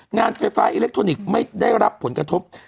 งานไฟฟ้าอิเล็กทรอนิกส์ไม่ได้รับผลกระทบ